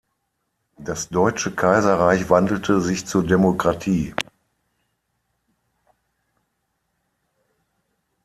Das deutsche Kaiserreich wandelte sich zur Demokratie.